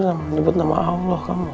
itu nyebut nama allah kamu